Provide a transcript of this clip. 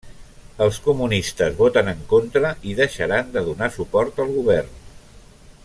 Els comunistes voten en contra i deixaran de donar suport al govern.